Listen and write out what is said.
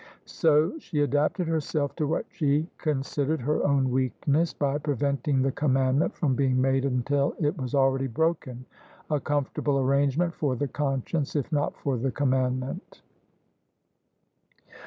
So she adapted herself to what she considered her own weak ness, by preventing the commandment from being made until it was already broken : a comfortable arrangement for the conscience if not for the commandment!